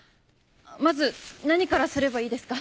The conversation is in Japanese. まず何からすればいいですか。